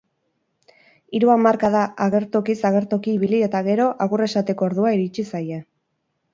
Hiru hamarkada agertokiz agertoki ibili eta gero, agur esateko ordua iritsi zaie.